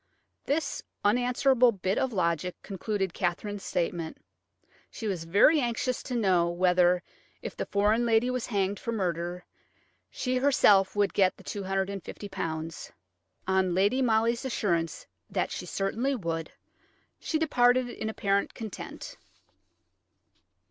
This unanswerable bit of logic concluded Katherine's statement. She was very anxious to know whether, if the foreign lady was hanged for murder, she herself would get the £250. On Lady Molly's assurance that she certainly would, she departed in apparent content.